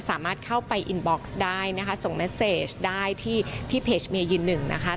สามารถเข้าไปอินบ็อกซ์ได้นะคะส่งแมสเซจได้ที่เพจเมียยืนหนึ่งนะคะ